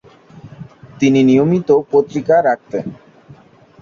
তিনি নিয়মিত পত্রিকা রাখতেন।